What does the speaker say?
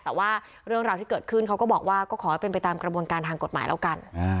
แต่ว่าเรื่องราวที่เกิดขึ้นเขาก็บอกว่าก็ขอให้เป็นไปตามกระบวนการทางกฎหมายแล้วกัน